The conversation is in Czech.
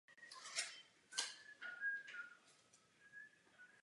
Prezident Václav Havel jej in memoriam povýšil na plukovníka.